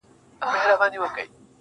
پيل كي وړه كيسه وه غـم نه وو.